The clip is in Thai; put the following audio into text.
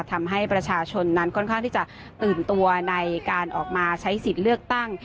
ทำให้ประชาชนนั้นค่อนข้างที่จะตื่นตัวในการออกมาใช้สิทธิ์เลือกตั้ง